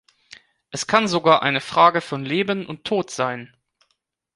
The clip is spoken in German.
Es kann sogar eine Frage von Leben und Tod sein.